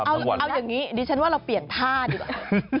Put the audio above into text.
เอาอย่างนี้ดิฉันว่าเราเปลี่ยนท่าดีกว่า